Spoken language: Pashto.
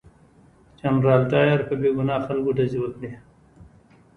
جنرال ډایر په بې ګناه خلکو ډزې وکړې.